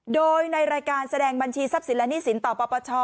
โดยในรายการแสดงบัญชีทรัพย์สินและหนี้สินต่อปปช